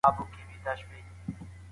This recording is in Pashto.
کله باید کار پرېږدو او یوازي استراحت وکړو؟